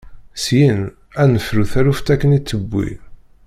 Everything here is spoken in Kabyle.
Syin, ad nefru taluft akken i d-tewwi.